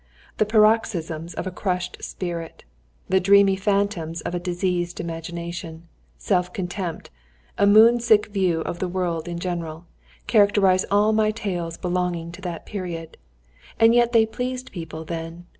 The paroxysms of a crushed spirit, the dreamy phantoms of a diseased imagination, self contempt, a moon sick view of the world in general, characterise all my tales belonging to that period. And yet they pleased people then.